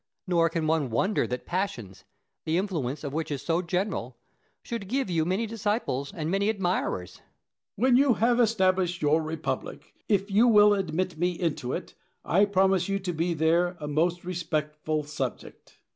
Nor can one wonder that passions, the influence of which is so general, should give you many disciples and many admirers. Diogenes. When you have established your Republic, if you will admit me into it I promise you to be there a most respectful subject.